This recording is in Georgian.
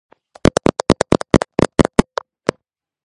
გამოიყენება აგრეთვე ფერდობების დამუშავების დროს.